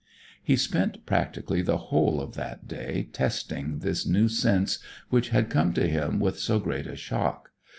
He spent practically the whole of that day testing this new sense which had come to him with so great a shock.